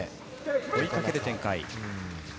追いかける展開。